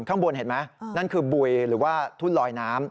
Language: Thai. ข้างบนเห็นไหมนั่นคือบุยหรือว่าทุ่นลอยน้ำ